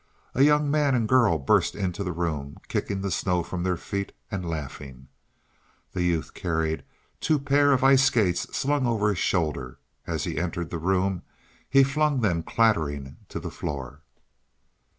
A young man and girl burst into the room, kicking the snow from their feet and laughing. The youth carried two pairs of ice skates slung over his shoulder; as he entered the room he flung them clattering to the floor.